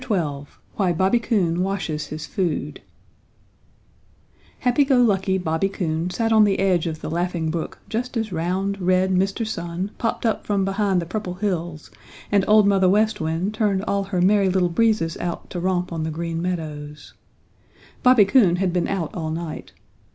XII WHY BOBBY COON WASHES HIS FOOD Happy Go Lucky Bobby Coon sat on the edge of the Laughing Brook just as round, red Mr. Sun popped up from behind the Purple Hills and Old Mother West Wind turned all her Merry Little Breezes out to romp on the Green Meadows. Bobby Coon had been out all night.